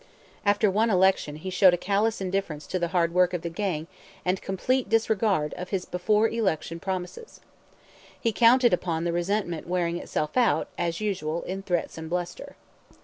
After one election he showed a callous indifference to the hard work of the gang and complete disregard of his before election promises. He counted upon the resentment wearing itself out, as usual, in threats and bluster.